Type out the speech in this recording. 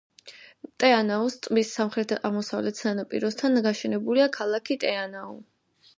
ტე-ანაუს ტბის სამხრეთ-აღმოსავლეთ სანაპიროსთან გაშენებულია ქალაქი ტე-ანაუ.